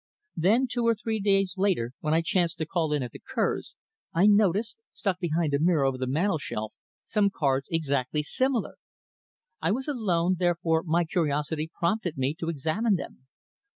Then two or three days later, when I chanced to call in at the Kerrs, I noticed, stuck behind a mirror over the mantelshelf, some cards exactly similar. I was alone, therefore my curiosity prompted me to examine them.